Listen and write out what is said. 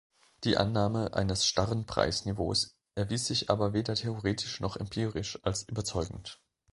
Die Annahme eines starren Preisniveaus erwies sich aber weder theoretisch noch empirisch als überzeugend.